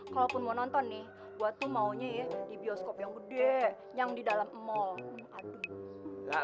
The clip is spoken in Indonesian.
kalaupun mau nonton nih buat tuh maunya ya di bioskop yang gede yang di dalam mall aduh